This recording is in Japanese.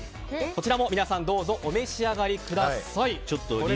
こちらも皆さんどうぞお召し上がりください。